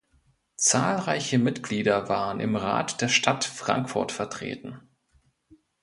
Zahlreiche Mitglieder waren im Rat der Stadt Frankfurt vertreten.